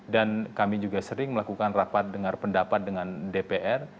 dan kami juga sering melakukan rapat dengar pendapat dengan dpr